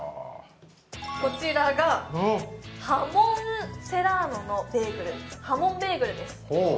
こちらがハモンセラーノのベーグルハモンベーグルですほお！